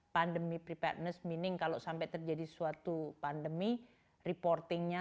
pandemi preparedness meaning kalau sampai terjadi suatu pandemi reportingnya